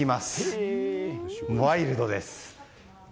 ワイルドです。